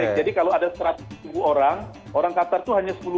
jadi kalau ada seratus ribu orang orang qatar itu hanya sepuluh ribu